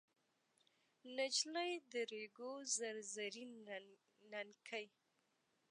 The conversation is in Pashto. نجلۍ د ریګو زر زري ننکۍ